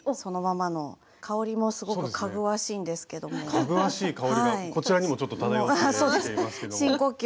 かぐわしい香りがこちらにもちょっと漂ってきていますけども。